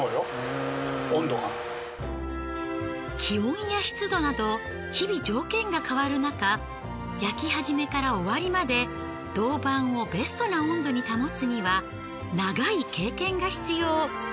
気温や湿度など日々条件が変わる中焼き始めから終わりまで銅板をベストな温度に保つには長い経験が必要。